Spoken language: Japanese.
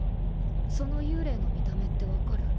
その幽霊の見た目って分かる？